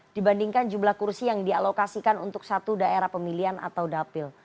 dibandingkan jumlah kursi yang dialokasikan untuk satu daerah pemilihan atau dapil